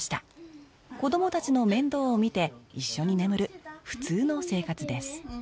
子どもたちの面倒を見て一緒に眠る普通の生活です